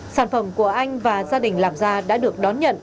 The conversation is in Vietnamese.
sản phẩm của anh và gia đình làm ra đã được đón nhận